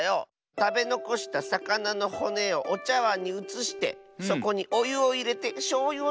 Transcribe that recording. たべのこしたさかなのほねをおちゃわんにうつしてそこにおゆをいれてしょうゆをチョロっとたらすのじゃ。